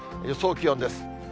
予想気温です。